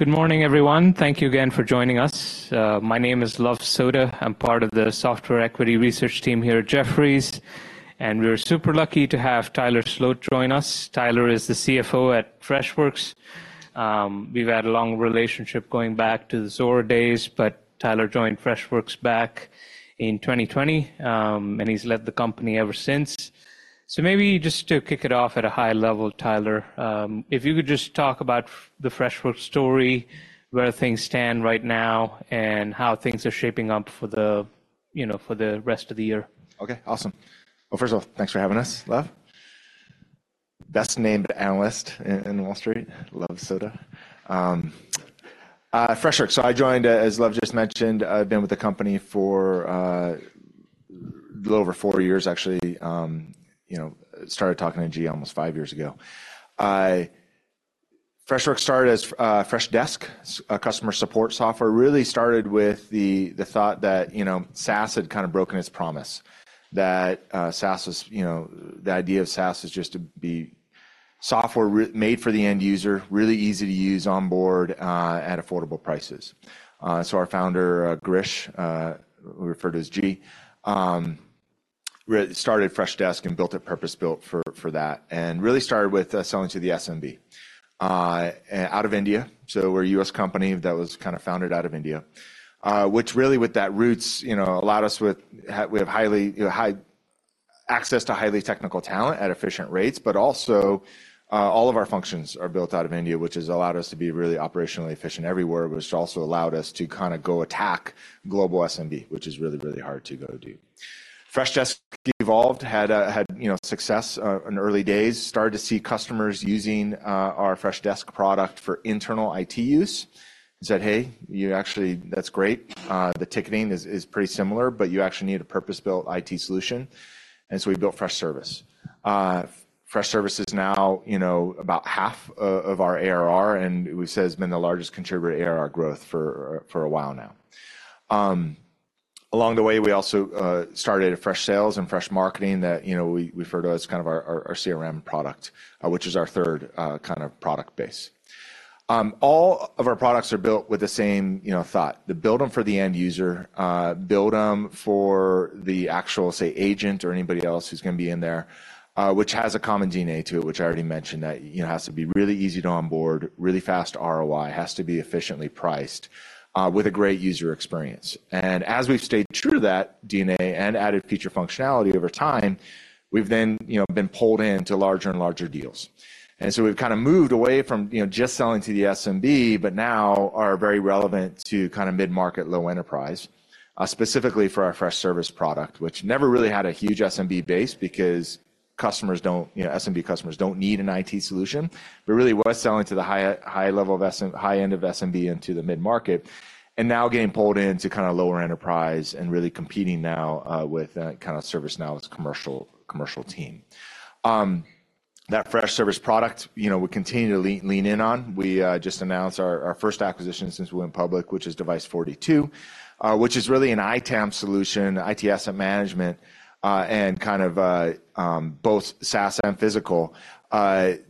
Good morning, everyone. Thank you again for joining us. My name is Luv Sodha. I'm part of the software equity research team here at Jefferies, and we're super lucky to have Tyler Sloat join us. Tyler is the CFO at Freshworks. We've had a long relationship going back to the Zuora days, but Tyler joined Freshworks back in 2020, and he's led the company ever since. So maybe just to kick it off at a high level, Tyler, if you could just talk about the Freshworks story, where things stand right now, and how things are shaping up for the, you know, for the rest of the year. Okay, awesome. Well, first of all, thanks for having us, Luv. Best-named analyst in Wall Street, Luv Sodha. Freshworks, so I joined, as Luv just mentioned, I've been with the company for a little over four years, actually. You know, started talking to G almost five years ago. Freshworks started as Freshdesk, a customer support software. Really started with the thought that, you know, SaaS had kind of broken its promise, that SaaS was... You know, the idea of SaaS is just to be software made for the end user, really easy to use, onboard, at affordable prices. So our founder, Girish, referred to as G, started Freshdesk and built it purpose-built for that, and really started with selling to the SMB out of India. So we're a U.S. company that was kind of founded out of India, which really, with those roots, you know, allowed us with, we have highly, high access to highly technical talent at efficient rates, but also, all of our functions are built out of India, which has allowed us to be really operationally efficient everywhere, which also allowed us to kinda go attack global SMB, which is really, really hard to go do. Freshdesk evolved, had you know, success in early days. Started to see customers using our Freshdesk product for internal IT use. And said, "Hey, you actually, that's great. The ticketing is pretty similar, but you actually need a purpose-built IT solution," and so we built Freshservice. Freshservice is now, you know, about half of our ARR, and we say has been the largest contributor to ARR growth for a while now. Along the way, we also started Freshsales and Freshmarketer that, you know, we refer to as kind of our, our CRM product, which is our third kind of product base. All of our products are built with the same, you know, thought, to build them for the end user, build them for the actual, say, agent or anybody else who's gonna be in there, which has a common DNA to it, which I already mentioned. That, you know, has to be really easy to onboard, really fast ROI, has to be efficiently priced with a great user experience. As we've stayed true to that DNA and added feature functionality over time, we've then, you know, been pulled into larger and larger deals. So we've kind of moved away from, you know, just selling to the SMB, but now are very relevant to kind of mid-market, low enterprise, specifically for our Freshservice product, which never really had a huge SMB base because customers don't, you know, SMB customers don't need an IT solution. But really, was selling to the high end of SMB into the mid-market, and now getting pulled into kind of lower enterprise and really competing now with kind of ServiceNow's commercial team. That Freshservice product, you know, we continue to lean in on. We just announced our first acquisition since we went public, which is Device42, which is really an ITAM solution, IT asset management, and kind of both SaaS and physical, that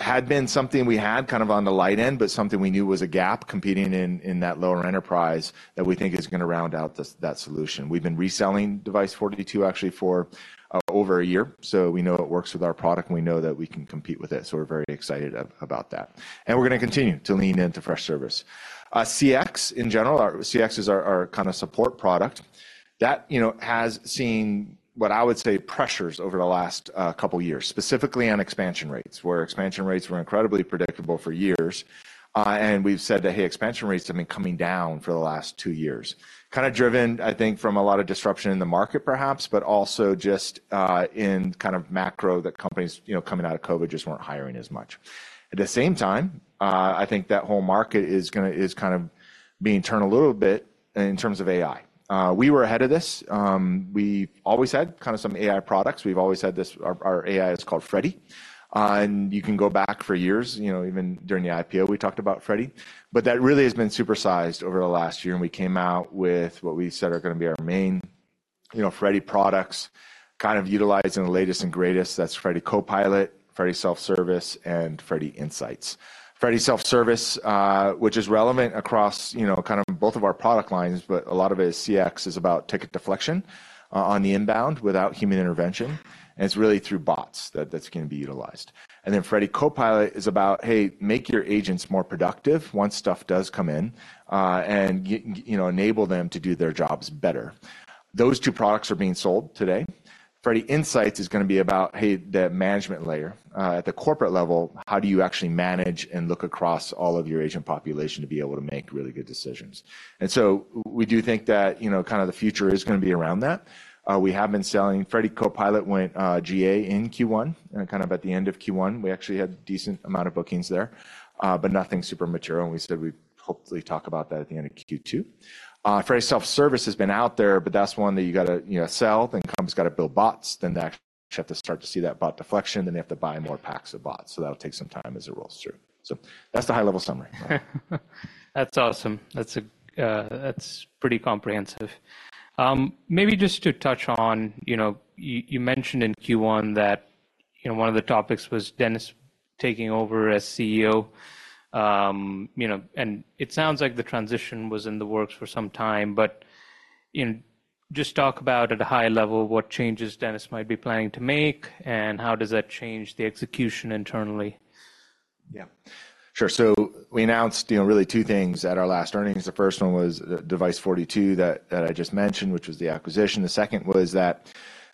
had been something we had kind of on the light end, but something we knew was a gap competing in that lower enterprise that we think is gonna round out this solution. We've been reselling Device42, actually, for over a year, so we know it works with our product, and we know that we can compete with it, so we're very excited about that. And we're gonna continue to lean into Freshservice. CX in general, our CX is our kind of support product. That, you know, has seen what I would say, pressures over the last couple of years, specifically on expansion rates, where expansion rates were incredibly predictable for years. And we've said that, "Hey, expansion rates have been coming down for the last two years." Kinda driven, I think, from a lot of disruption in the market, perhaps, but also just in kind of macro, that companies, you know, coming out of COVID, just weren't hiring as much. At the same time, I think that whole market is gonna... is kind of being turned a little bit in terms of AI. We were ahead of this. We always had kind of some AI products. We've always had this. Our, our AI is called Freddy, and you can go back for years, you know, even during the IPO, we talked about Freddy. But that really has been supersized over the last year, and we came out with what we said are gonna be our main, you know, Freddy products, kind of utilizing the latest and greatest. That's Freddy Copilot, Freddy Self-Service, and Freddy Insights. Freddy Self-Service, which is relevant across, you know, kind of both of our product lines, but a lot of it is CX, is about ticket deflection, on the inbound without human intervention, and it's really through bots that that's gonna be utilized. And then Freddy Copilot is about, hey, make your agents more productive once stuff does come in, and you know, enable them to do their jobs better. Those two products are being sold today. Freddy Insights is gonna be about, hey, the management layer. At the corporate level, how do you actually manage and look across all of your agent population to be able to make really good decisions? And so we do think that, you know, kind of the future is gonna be around that. We have been selling Freddy Copilot went GA in Q1, and kind of at the end of Q1, we actually had decent amount of bookings there, but nothing super material, and we said we'd hopefully talk about that at the end of Q2. Freddy Self-Service has been out there, but that's one that you gotta, you know, sell, then company's gotta build bots, then they actually have to start to see that bot deflection, then they have to buy more packs of bots, so that'll take some time as it rolls through. So that's the high-level summary. That's awesome. That's, that's pretty comprehensive. Maybe just to touch on, you know, you mentioned in Q1 that, you know, one of the topics was Dennis taking over as CEO. You know, and it sounds like the transition was in the works for some time, but, you know, just talk about at a high level, what changes Dennis might be planning to make, and how does that change the execution internally? Yeah, sure. So we announced, you know, really two things at our last earnings. The first one was the Device42 that I just mentioned, which was the acquisition. The second was that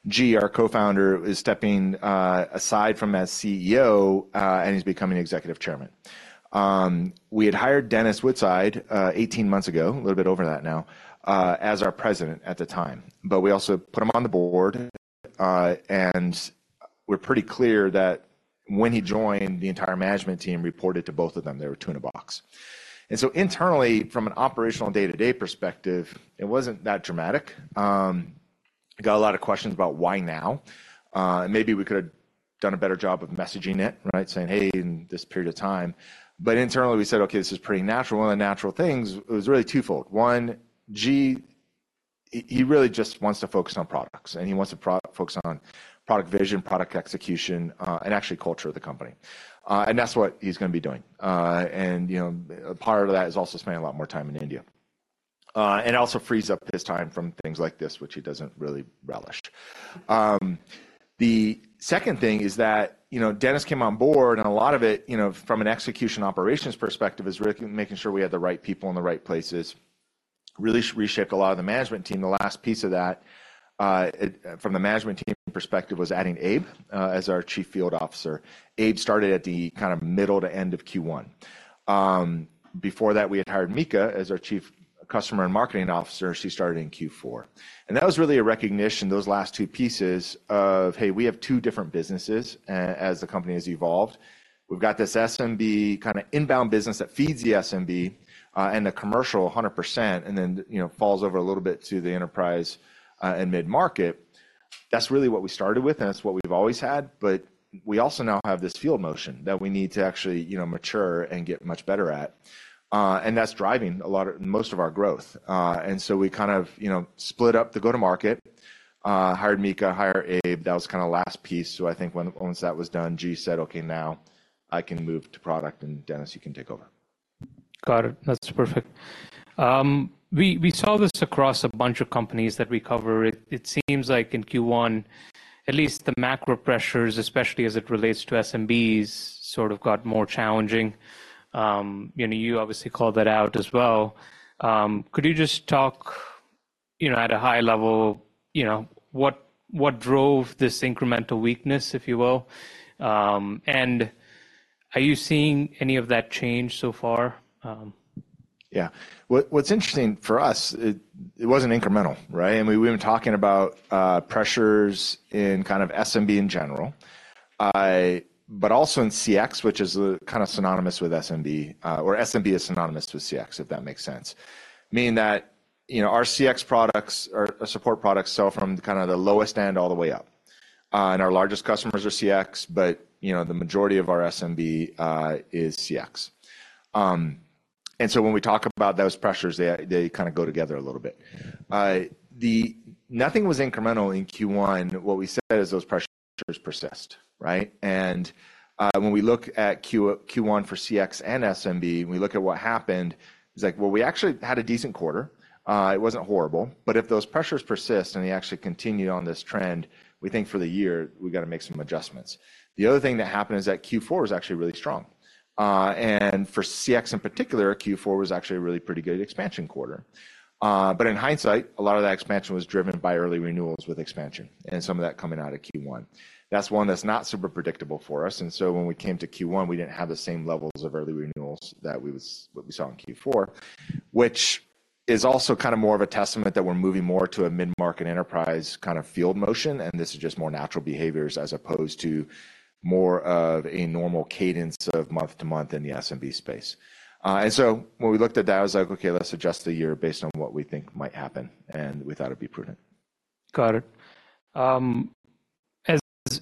G, our co-founder, is stepping aside from as CEO, and he's becoming Executive Chairman. We had hired Dennis Woodside, 18 months ago, a little bit over that now, as our president at the time. But we also put him on the board, and we're pretty clear that when he joined, the entire management team reported to both of them. They were two in a box. And so internally, from an operational day-to-day perspective, it wasn't that dramatic. I got a lot of questions about why now? And maybe we could have done a better job of messaging it, right? Saying, "Hey, in this period of time..." But internally, we said, "Okay, this is pretty natural." One of the natural things it was really twofold. One, G, he really just wants to focus on products, and he wants to focus on product vision, product execution, and actually culture of the company. And that's what he's gonna be doing. And, you know, a part of that is also spending a lot more time in India. And it also frees up his time from things like this, which he doesn't really relish. The second thing is that, you know, Dennis came on board, and a lot of it, you know, from an execution operations perspective, is really making sure we had the right people in the right places, really reshaped a lot of the management team. The last piece of that, from the management team perspective, was adding Abe, as our Chief Field Officer. Abe started at the kind of middle to end of Q1. Before that, we had hired Mika as our Chief Customer and Marketing Officer. She started in Q4. And that was really a recognition, those last two pieces of, "Hey, we have two different businesses as the company has evolved." We've got this SMB kinda inbound business that feeds the SMB, and the commercial 100%, and then, you know, falls over a little bit to the enterprise, and mid-market. That's really what we started with, and that's what we've always had, but we also now have this field motion that we need to actually, you know, mature and get much better at. And that's driving a lot of... most of our growth. And so we kind of, you know, split up the go-to-market, hired Mika, hired Abe. That was kinda last piece. So I think once that was done, G said, "Okay, now I can move to product, and Dennis, you can take over. Got it. That's perfect. We saw this across a bunch of companies that we cover. It seems like in Q1, at least the macro pressures, especially as it relates to SMBs, sort of got more challenging. You know, you obviously called that out as well. Could you just talk, you know, at a high level, you know, what drove this incremental weakness, if you will? And are you seeing any of that change so far? Yeah. What, what's interesting for us, it wasn't incremental, right? I mean, we've been talking about pressures in kind of SMB in general, but also in CX, which is kind of synonymous with SMB, or SMB is synonymous with CX, if that makes sense. Meaning that, you know, our CX products or our support products sell from kind of the lowest end all the way up. And our largest customers are CX, but, you know, the majority of our SMB is CX. And so when we talk about those pressures, they kinda go together a little bit. Nothing was incremental in Q1. What we said is those pressures persisted, right? And when we look at Q1, Q1 for CX and SMB, and we look at what happened, it's like, well, we actually had a decent quarter. It wasn't horrible, but if those pressures persist and they actually continue on this trend, we think for the year, we've got to make some adjustments. The other thing that happened is that Q4 was actually really strong. And for CX in particular, Q4 was actually a really pretty good expansion quarter. But in hindsight, a lot of that expansion was driven by early renewals with expansion and some of that coming out of Q1. That's one that's not super predictable for us, and so when we came to Q1, we didn't have the same levels of early renewals that what we saw in Q4, which is also kind of more of a testament that we're moving more to a mid-market enterprise kind of field motion, and this is just more natural behaviors as opposed to more of a normal cadence of month to month in the SMB space. And so when we looked at that, I was like: Okay, let's adjust the year based on what we think might happen, and we thought it'd be prudent. Got it.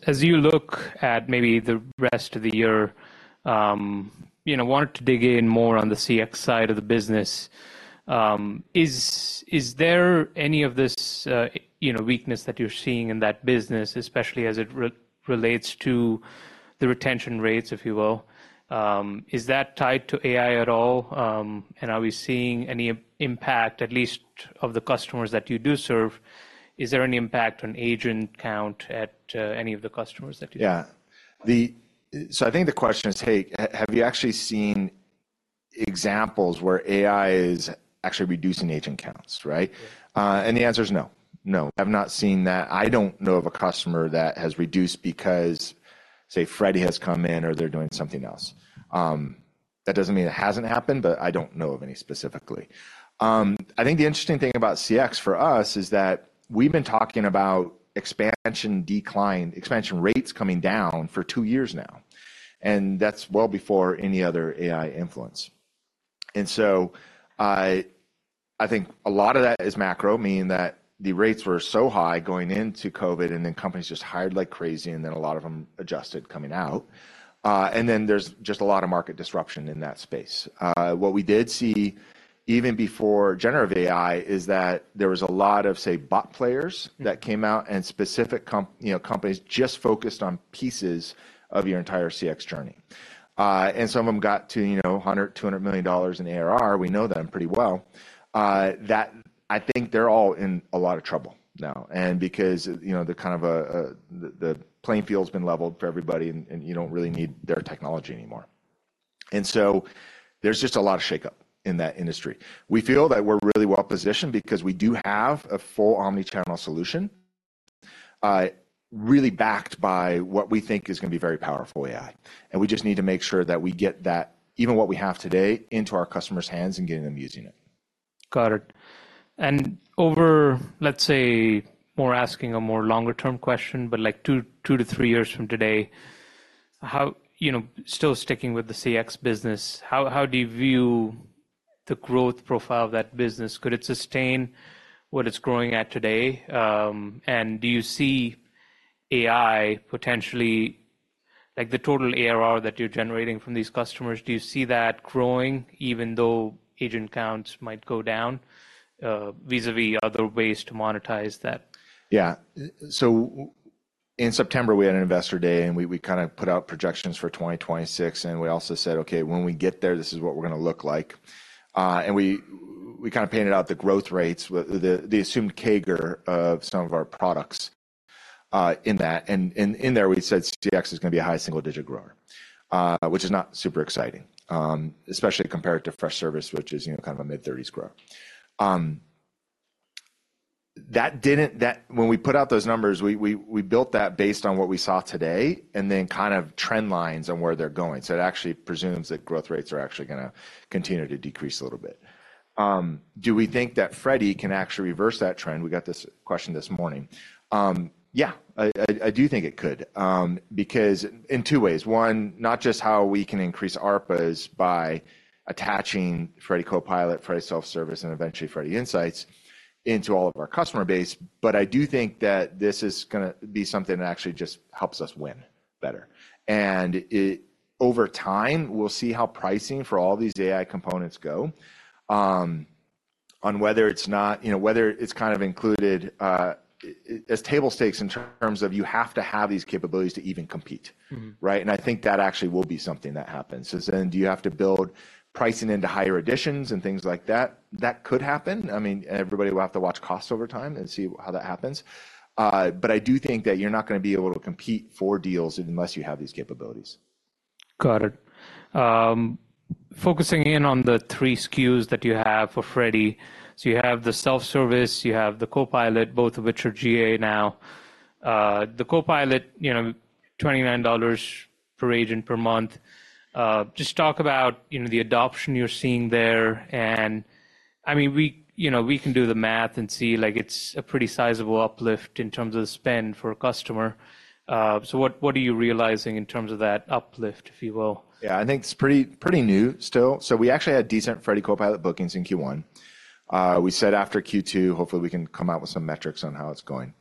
As you look at maybe the rest of the year, you know, wanted to dig in more on the CX side of the business. Is there any of this, you know, weakness that you're seeing in that business, especially as it relates to the retention rates, if you will? Is that tied to AI at all? And are we seeing any impact, at least of the customers that you do serve, is there any impact on agent count at, any of the customers that you... Yeah. So I think the question is, "Hey, have you actually seen examples where AI is actually reducing agent counts, right?" And the answer is no. No, I've not seen that. I don't know of a customer that has reduced because, say, Freddy has come in or they're doing something else. That doesn't mean it hasn't happened, but I don't know of any specifically. I think the interesting thing about CX for us is that we've been talking about expansion decline, expansion rates coming down for two years now, and that's well before any other AI influence. And so, I think a lot of that is macro, meaning that the rates were so high going into COVID, and then companies just hired like crazy, and then a lot of them adjusted coming out. And then there's just a lot of market disruption in that space. What we did see, even before generative AI, is that there was a lot of, say, bot players that came out and specific comp, you know, companies just focused on pieces of your entire CX journey. And some of them got to, you know, $100 million-$200 million in ARR. We know them pretty well. That I think they're all in a lot of trouble now, and because, you know, the kind of, the playing field's been leveled for everybody, and, and you don't really need their technology anymore. And so there's just a lot of shake-up in that industry. We feel that we're really well positioned because we do have a full omnichannel solution, really backed by what we think is gonna be very powerful AI. We just need to make sure that we get that, even what we have today, into our customers' hands and getting them using it. Got it. And over, let's say, more asking a more longer-term question, but like two to three years from today, how—you know, still sticking with the CX business, how, how do you view the growth profile of that business? Could it sustain what it's growing at today? And do you see AI potentially... Like, the total ARR that you're generating from these customers, do you see that growing even though agent counts might go down, vis-à-vis other ways to monetize that? Yeah. So in September, we had an Investor Day, and we kind of put out projections for 2026, and we also said, "Okay, when we get there, this is what we're gonna look like." And we kind of painted out the growth rates, with the assumed CAGR of some of our products, in that, and in there, we said CX is gonna be a high single-digit grower, which is not super exciting, especially compared to Freshservice, which is, you know, kind of a mid-thirties growth. When we put out those numbers, we built that based on what we saw today and then kind of trend lines on where they're going. So it actually presumes that growth rates are actually gonna continue to decrease a little bit. Do we think that Freddy can actually reverse that trend? We got this question this morning. Yeah, I do think it could, because in two ways. One, not just how we can increase ARPAs by attaching Freddy Copilot, Freddy Self-Service, and eventually Freddy Insights into all of our customer base, but I do think that this is gonna be something that actually just helps us win better. And it, over time, we'll see how pricing for all these AI components go, on whether it's not-- you know, whether it's kind of included, as table stakes in terms of you have to have these capabilities to even compete. Mm-hmm. Right? And I think that actually will be something that happens. So then, do you have to build pricing into higher editions and things like that? That could happen. I mean, everybody will have to watch costs over time and see how that happens. But I do think that you're not gonna be able to compete for deals unless you have these capabilities. Got it. Focusing in on the three SKUs that you have for Freddy, so you have the Self-Service, you have the Copilot, both of which are GA now. The Copilot, you know, $29 per agent per month. Just talk about, you know, the adoption you're seeing there, and I mean, we, you know, we can do the math and see, like, it's a pretty sizable uplift in terms of the spend for a customer. So what, what are you realizing in terms of that uplift, if you will? Yeah, I think it's pretty, pretty new still. So we actually had decent Freddy Copilot bookings in Q1. We said after Q2, hopefully, we can come out with some metrics on how it's going.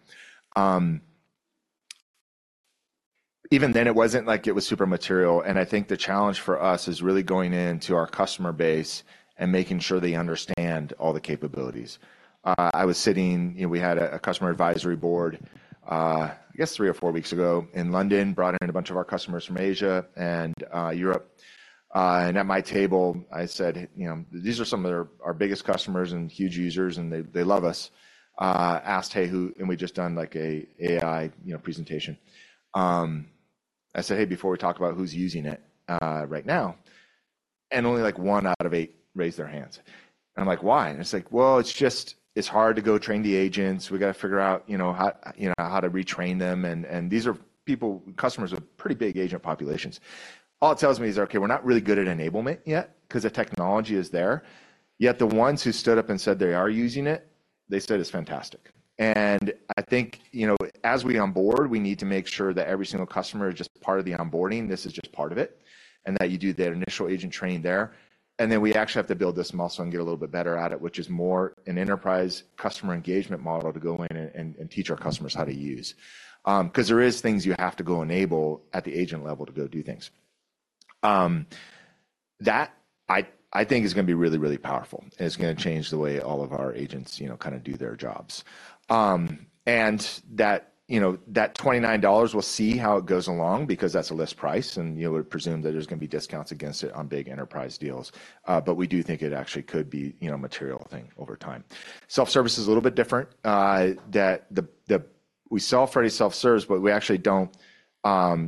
Even then, it wasn't like it was super material, and I think the challenge for us is really going into our customer base and making sure they understand all the capabilities. I was sitting... You know, we had a customer advisory board, I guess three or four weeks ago in London, brought in a bunch of our customers from Asia and Europe. And at my table, I said, "You know, these are some of their, our biggest customers and huge users, and they, they love us." Asked: Hey, who... And we'd just done, like, an AI, you know, presentation. I said, "Hey, before we talk about who's using it, right now," and only, like, one out of eight raised their hands. And I'm like, "Why?" And it's like: "Well, it's just, it's hard to go train the agents. We got to figure out, you know, how, you know, how to retrain them." And, and these are people, customers with pretty big agent populations. All it tells me is, okay, we're not really good at enablement yet because the technology is there, yet the ones who stood up and said they are using it, they said it's fantastic. And I think, you know, as we onboard, we need to make sure that every single customer is just part of the onboarding. This is just part of it, and that you do that initial agent training there, and then we actually have to build this muscle and get a little bit better at it, which is more an enterprise customer engagement model to go in and teach our customers how to use. 'Cause there is things you have to go enable at the agent level to go do things. That I think is gonna be really, really powerful, and it's gonna change the way all of our agents, you know, kinda do their jobs. And that, you know, that $29, we'll see how it goes along because that's a list price, and you know, we presume that there's gonna be discounts against it on big enterprise deals. But we do think it actually could be, you know, a material thing over time. Self-service is a little bit different. We sell Freddy Self-Service, but we actually don't,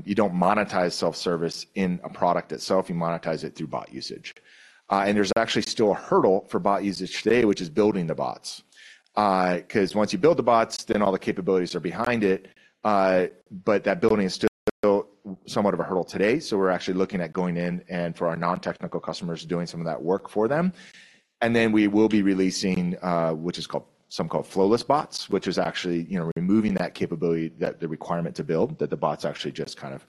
you don't monetize self-service in a product itself. You monetize it through bot usage. And there's actually still a hurdle for bot usage today, which is building the bots. 'Cause once you build the bots, then all the capabilities are behind it, but that building is still somewhat of a hurdle today. So we're actually looking at going in and for our non-technical customers, doing some of that work for them. And then we will be releasing, which is called, something called Flowless Bots, which is actually, you know, removing that capability, that, the requirement to build, that the bots actually just kind of,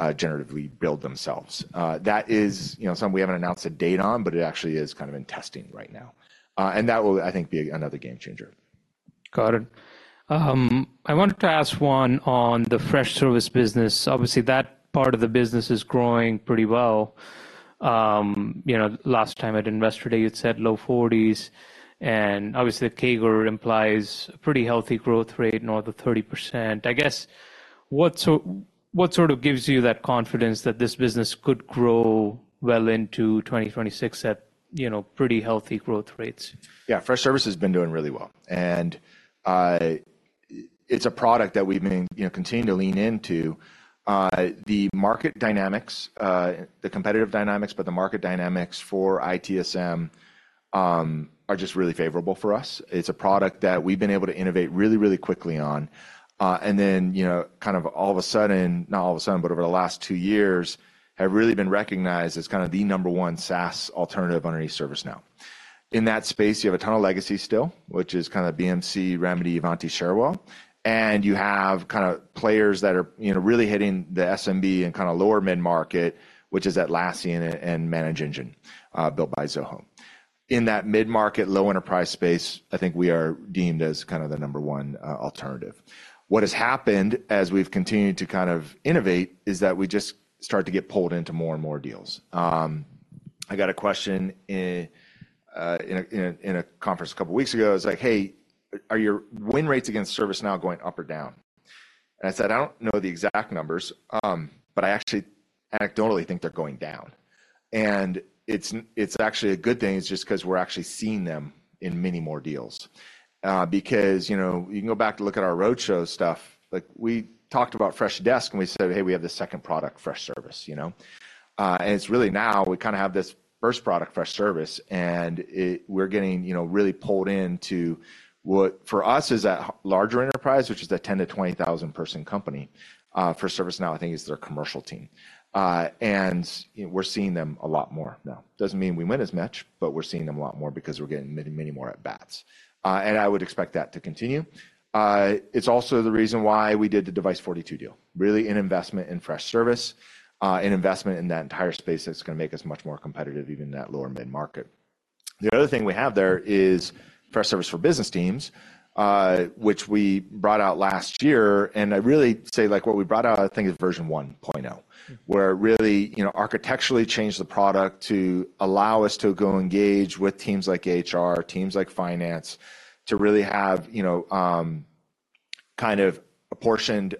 generatively build themselves. That is, you know, something we haven't announced a date on, but it actually is kind of in testing right now. And that will, I think, be another game changer. Got it. I wanted to ask one on the Freshservice business. Obviously, that part of the business is growing pretty well. You know, last time at Investor Day, you'd said low 40s, and obviously, the CAGR implies a pretty healthy growth rate, north of 30%. I guess, what sort of gives you that confidence that this business could grow well into 2026 at, you know, pretty healthy growth rates? Yeah, Freshservice has been doing really well, and it's a product that we've been, you know, continuing to lean into. The market dynamics, the competitive dynamics, but the market dynamics for ITSM are just really favorable for us. It's a product that we've been able to innovate really, really quickly on. And then, you know, kind of all of a sudden, not all of a sudden, but over the last two years, have really been recognized as kind of the number one SaaS alternative under ServiceNow. In that space, you have a ton of legacy still, which is kind of BMC, Remedy, Ivanti, Cherwell, and you have kind of players that are, you know, really hitting the SMB and kind of lower mid-market, which is Atlassian and ManageEngine built by Zoho. In that mid-market, low enterprise space, I think we are deemed as kind of the number one alternative. What has happened as we've continued to kind of innovate is that we just start to get pulled into more and more deals. I got a question in a conference a couple of weeks ago. It was like: "Hey, are your win rates against ServiceNow going up or down?" And I said, "I don't know the exact numbers, but I actually anecdotally think they're going down." And it's, it's actually a good thing. It's just 'cause we're actually seeing them in many more deals. Because, you know, you can go back to look at our roadshow stuff, like, we talked about Freshdesk, and we said, "Hey, we have this second product, Freshservice," you know? And it's really now we kind of have this first product, Freshservice, and we're getting, you know, really pulled into what, for us, is a larger enterprise, which is a 10,000- to 20,000-person company. For ServiceNow, I think it's their commercial team. And, you know, we're seeing them a lot more now. Doesn't mean we win as much, but we're seeing them a lot more because we're getting many, many more at bats. And I would expect that to continue. It's also the reason why we did the Device42 deal. Really an investment in Freshservice, an investment in that entire space that's gonna make us much more competitive, even in that lower mid-market. The other thing we have there is Freshservice for Business Teams, which we brought out last year, and I really say, like, what we brought out, I think, is version 1.0, where really, you know, architecturally changed the product to allow us to go engage with teams like HR, teams like finance, to really have, you know, kind of apportioned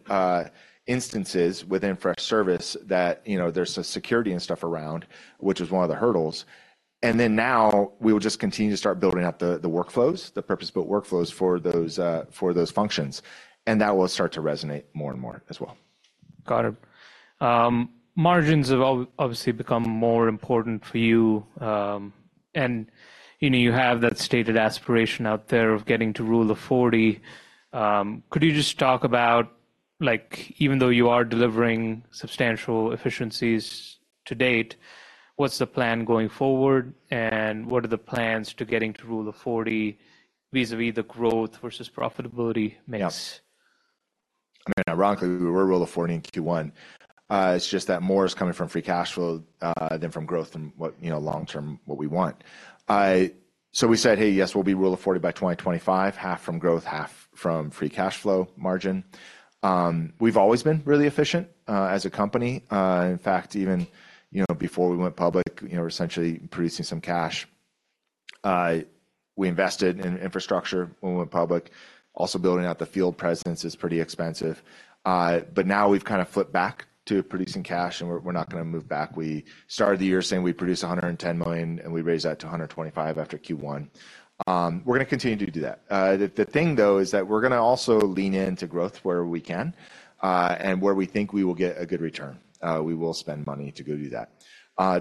instances within Freshservice that, you know, there's a security and stuff around, which is one of the hurdles. And then now, we will just continue to start building out the, the workflows, the purpose-built workflows for those, for those functions, and that will start to resonate more and more as well. Got it. Margins have obviously become more important for you. You know, you have that stated aspiration out there of getting to Rule of 40. Could you just talk about, like, even though you are delivering substantial efficiencies to date, what's the plan going forward, and what are the plans to getting to Rule of 40 vis-à-vis the growth versus profitability mix? Yeah. I mean, ironically, we were rule of 40 in Q1. It's just that more is coming from free cash flow than from growth and what, you know, long term, what we want. So we said, "Hey, yes, we'll be rule of 40 by 2025, half from growth, half from free cash flow margin." We've always been really efficient as a company. In fact, even, you know, before we went public, you know, we were essentially producing some cash. We invested in infrastructure when we went public. Also, building out the field presence is pretty expensive. But now we've kind of flipped back to producing cash, and we're not gonna move back. We started the year saying we'd produce $110 million, and we raised that to $125 million after Q1. We're gonna continue to do that. The, the thing, though, is that we're gonna also lean into growth where we can, and where we think we will get a good return. We will spend money to go do that.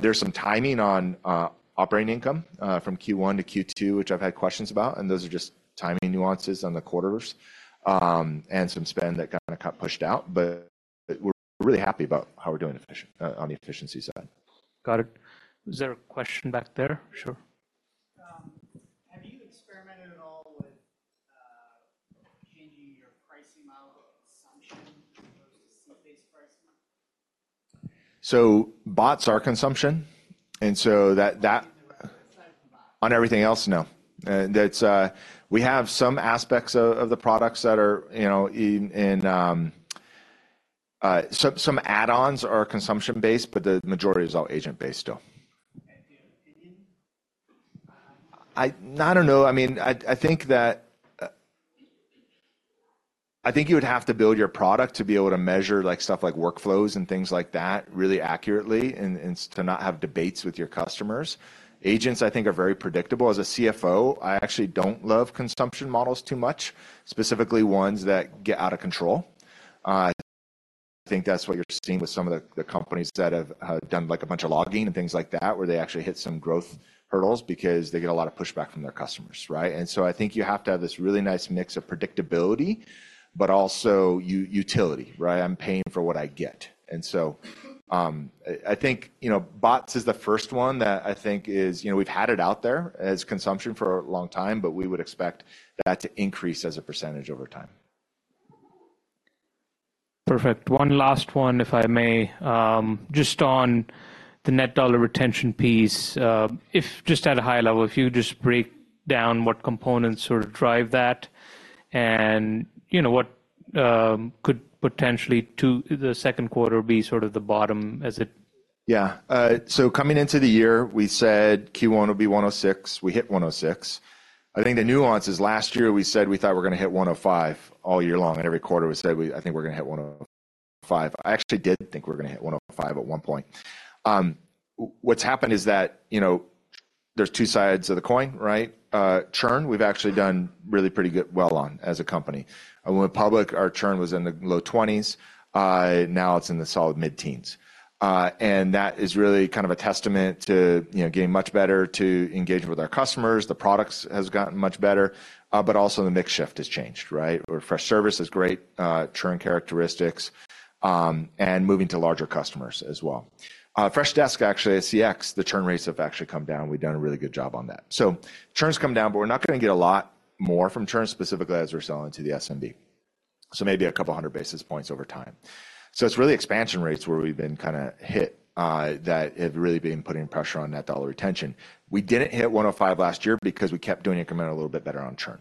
There's some timing on, operating income, from Q1 to Q2, which I've had questions about, and those are just timing nuances on the quarters, and some spend that got kind of pushed out. But we're really happy about how we're doing efficient- on the efficiency side. Got it. Is there a question back there? Sure. Have you experimented at all with changing your pricing model assumption as opposed to seat-based pricing? So bots are consumption, and so that Outside of the bot. On everything else, no. That's, we have some aspects of the products that are, you know, in... Some add-ons are consumption-based, but the majority is all agent-based still. In your opinion, I don't know. I mean, I think that... I think you would have to build your product to be able to measure, like, stuff like workflows and things like that really accurately and to not have debates with your customers. Agents, I think, are very predictable. As a CFO, I actually don't love consumption models too much, specifically ones that get out of control. I think that's what you're seeing with some of the companies that have done, like, a bunch of logging and things like that, where they actually hit some growth hurdles because they get a lot of pushback from their customers, right? And so I think you have to have this really nice mix of predictability but also utility, right? I'm paying for what I get. And so, I think, you know, bots is the first one that I think is... You know, we've had it out there as consumption for a long time, but we would expect that to increase as a percentage over time. Perfect. One last one, if I may. Just on the net dollar retention piece, if just at a high level, if you just break down what components sort of drive that, and, you know, what, could potentially to the second quarter be sort of the bottom as it- Yeah. So coming into the year, we said Q1 will be $106. We hit $106. I think the nuance is last year we said we thought we were gonna hit $105 all year long, and every quarter we said I think we're gonna hit $105. I actually did think we were gonna hit $105 at one point. What's happened is that, you know, there's two sides of the coin, right? Churn, we've actually done really pretty good well on as a company. And when we went public, our churn was in the low 20s, now it's in the solid mid-teens. And that is really kind of a testament to, you know, getting much better to engage with our customers. The products has gotten much better, but also the mix shift has changed, right? Where Freshservice has great, churn characteristics, and moving to larger customers as well. Freshdesk, actually, at CX, the churn rates have actually come down. We've done a really good job on that. So churn's come down, but we're not gonna get a lot more from churn, specifically as we're selling to the SMB. So maybe a couple hundred basis points over time. So it's really expansion rates where we've been kinda hit, that have really been putting pressure on net dollar retention. We didn't hit 105 last year because we kept doing incremental a little bit better on churn.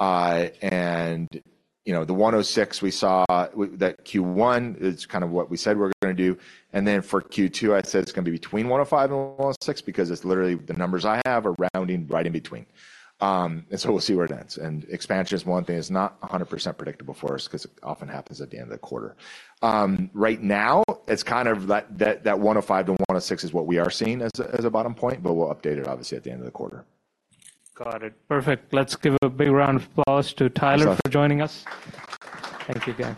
And, you know, the $106 we saw that Q1 is kind of what we said we're gonna do, and then for Q2, I said it's gonna be between $105 and $106, because it's literally the numbers I have are rounding right in between. And so we'll see where it ends. And expansion is one thing that's not 100% predictable for us, 'cause it often happens at the end of the quarter. Right now, it's kind of that 105-106 is what we are seeing as a bottom point, but we'll update it obviously at the end of the quarter. Got it. Perfect. Let's give a big round of applause to Tyler for joining us. Thank you again.